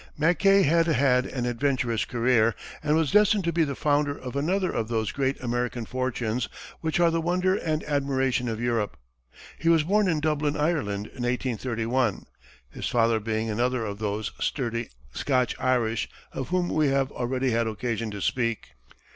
Mackay had had an adventurous career, and was destined to be the founder of another of those great American fortunes which are the wonder and admiration of Europe. He was born in Dublin, Ireland, in 1831, his father being another of those sturdy Scotch Irish of whom we have already had occasion to speak.